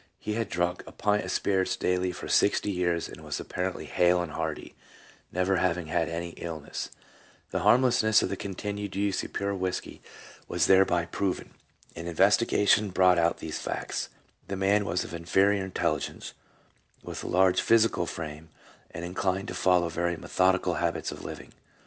He had drunk a pint of spirits daily for sixty years and was apparently hale and hearty, never having had any illness. The harmlessness of the continued use of pure whisky was thereby proven. An investigation brought out these facts: The man was of inferior intelligence, with a large physical frame, and inclined to follow very methodical habits of living.